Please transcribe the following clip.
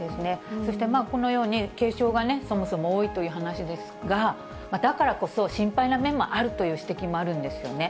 そしてこのように、軽症がそもそも多いという話ですが、だからこそ、心配な面もあるという指摘もあるんですよね。